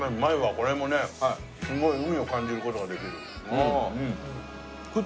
これもねすごい海を感じる事ができる。